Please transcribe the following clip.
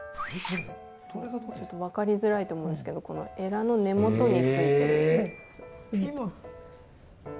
ちょっと分かりづらいと思うんですけどこのエラの根元についてるやつ。